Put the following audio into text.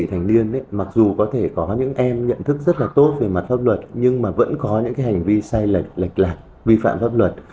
thành niên mặc dù có thể có những em nhận thức rất là tốt về mặt pháp luật nhưng mà vẫn có những cái hành vi sai lệch lệch lạc vi phạm pháp luật